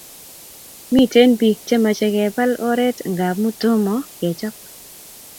Miten pik che mache kepal oren ngamu tomo kechap